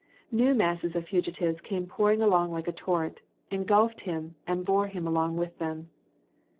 New masses of fugitives came pouring along like a torrent, engulfed him, and bore him along with them.